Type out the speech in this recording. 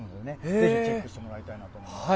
ぜひチェックしてもらいたいと思います。